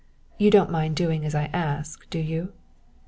You don't mind doing as I ask you, do you?"